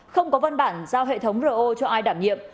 không có văn bản giao hệ thống ro cho ai đảm nhiệm